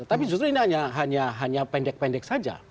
tapi justru ini hanya pendek pendek saja